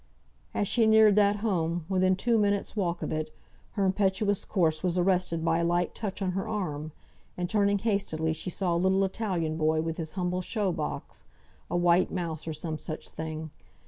As she neared that home, within two minutes' walk of it, her impetuous course was arrested by a light touch on her arm, and turning hastily, she saw a little Italian boy with his humble show box, a white mouse, or some such thing.